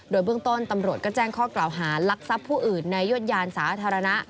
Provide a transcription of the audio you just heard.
โดยเบื้องต้นตำรวจก็แจ้งข้อกล่าวหาลักทรัพย์ผู้อื่นในยวดยานสาธารณะ